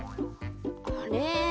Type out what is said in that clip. あれ？